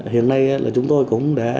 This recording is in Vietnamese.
hiện nay chúng tôi cũng đã